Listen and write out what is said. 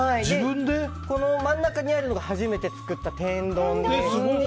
この真ん中にあるのが初めて作った天丼です。